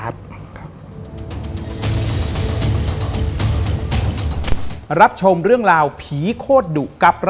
สวัสดีครับ